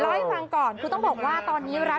เดี๋ยวล้อให้ฟังก่อนคือต้องบอกว่าตอนนี้ร้าน